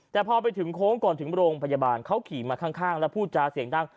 แต่พอไปถึงโค้งก่อนถึงโรงพยาบาลเขาขี่มาข้างแล้วพูดจาเสียงดัง